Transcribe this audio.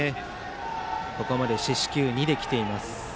ここまで四死球２できています。